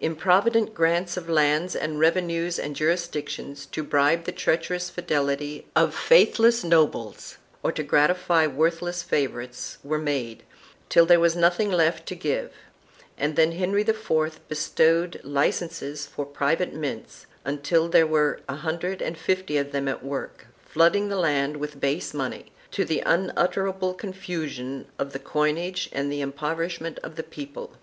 Improvident grants of lands and revenues and jurisdictions, to bribe the treacherous fidelity of faithless nobles, or to gratify worthless favorites, were made, till there was nothing left to give, and then Henry IV bestowed licenses for private mints, until there were a hundred and fifty of them at work, flooding the land with base money, to the unutterable confusion of the coinage and the impoverishment of the people.